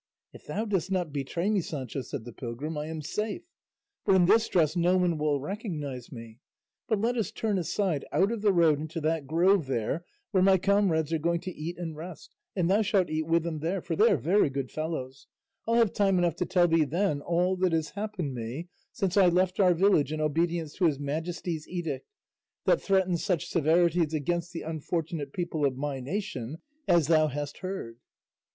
"If thou dost not betray me, Sancho," said the pilgrim, "I am safe; for in this dress no one will recognise me; but let us turn aside out of the road into that grove there where my comrades are going to eat and rest, and thou shalt eat with them there, for they are very good fellows; I'll have time enough to tell thee then all that has happened me since I left our village in obedience to his Majesty's edict that threatened such severities against the unfortunate people of my nation, as thou hast heard."